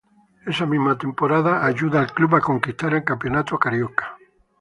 Esa misma temporada ayuda al club a conquistar el Campeonato Carioca.